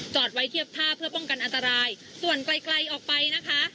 จอดไว้เทียบท่าเพื่อป้องกันอันตรายส่วนไกลไกลออกไปนะคะ